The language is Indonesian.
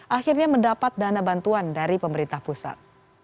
akhirnya mendapat dana bantuan dari pemerintah pusat